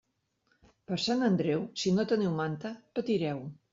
Per Sant Andreu, si no teniu manta, patireu.